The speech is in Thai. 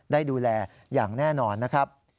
ได้ดูแลอย่างแน่นอนนะครับ